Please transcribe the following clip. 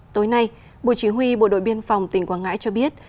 tối nay bộ chỉ huy bộ đội biên phòng tỉnh quảng ngãi cho biết